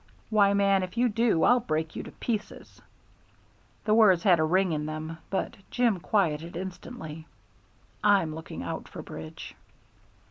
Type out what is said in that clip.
Why, man, if you do I'll break you to pieces." The words had a ring in them, but Jim quieted instantly. "I'm looking out for Bridge."